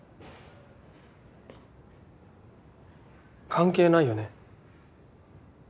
関係ないよね。